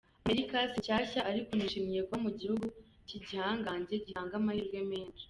Amerika si shyashya ariko nishimiye kuba mu gihugu cy’igihangange gitanga amahirwe menshi.